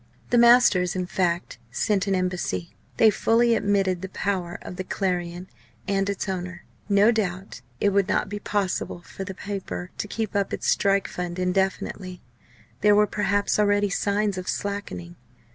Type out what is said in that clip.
The masters, in fact, sent an embassy. They fully admitted the power of the Clarion and its owner. No doubt, it would not be possible for the paper to keep up its strike fund indefinitely; there were perhaps already signs of slackening.